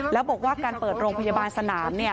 แล้วบอกว่าการเปิดโรงพยาบาลสนาม